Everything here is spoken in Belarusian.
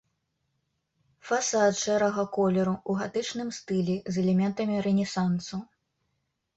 Фасад шэрага колеру ў гатычным стылі з элементамі рэнесансу.